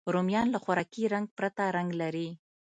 رومیان له خوراکي رنګ پرته رنګ لري